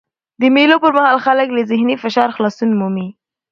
د مېلو پر مهال خلک له ذهني فشار خلاصون مومي.